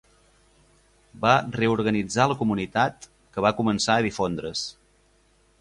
Va reorganitzar la comunitat, que va començar a difondre's.